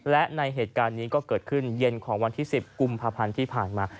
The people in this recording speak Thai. และในเหตุการณ์นี้ก็เกิดขึ้นเย็นของวันที่๑๐กุมภาพันธ์ที่ผ่านมา